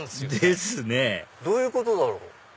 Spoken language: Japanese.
ですねどういうことだろう？